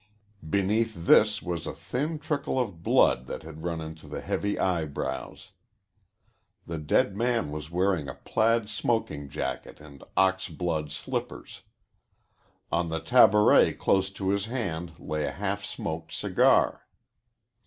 Beneath this was a thin trickle of blood that had run into the heavy eyebrows. The dead man was wearing a plaid smoking jacket and oxblood slippers. On the tabouret close to his hand lay a half smoked cigar.